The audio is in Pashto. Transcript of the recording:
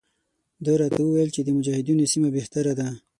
ده راته وویل چې د مجاهدینو سیمه بهتره ده.